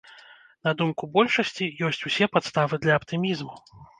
На думку большасці, ёсць усе падставы для аптымізму.